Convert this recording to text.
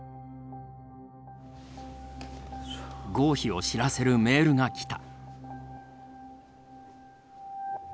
合否を知らせるメールが来た。